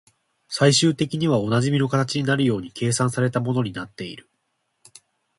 最終的にはおなじみの形になるように計算された物になっている